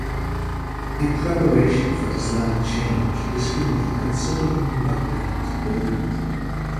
In preparation for this latter change, the school had considerable work done to buildings.